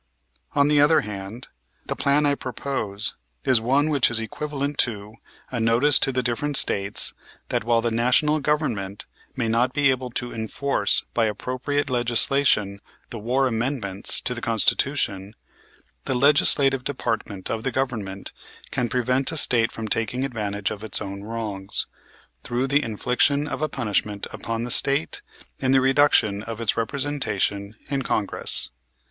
"On the other hand, the plan I propose is one which is equivalent to a notice to the different States that, while the National Government may not be able to enforce by appropriate legislation the war amendments to the Constitution, the Legislative department of the Government can prevent a State from taking advantage of its own wrongs, through the infliction of a punishment upon the State in the reduction of its representation in Congress.